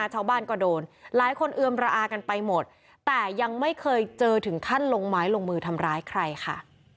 ชาวบ้านก็โดนหลายคนเอือมระอากันไปหมดแต่ยังไม่เคยเจอถึงขั้นลงไม้ลงมือทำร้ายใครค่ะ